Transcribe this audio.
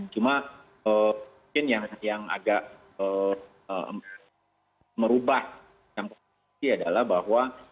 cuma mungkin yang agak merubah dalam posisi adalah bahwa